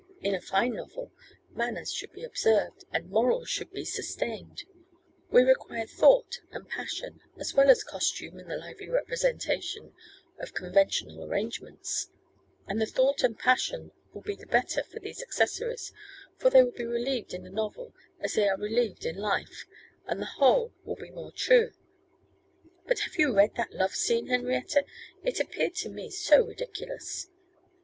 In a fine novel, manners should be observed, and morals should be sustained; we require thought and passion, as well as costume and the lively representation of conventional arrangements; and the thought and passion will be the better for these accessories, for they will be relieved in the novel as they are relieved in life, and the whole will be more true.' 'But have you read that love scene, Henrietta? It appeared to me so ridiculous!